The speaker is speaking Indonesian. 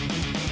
ya udah bang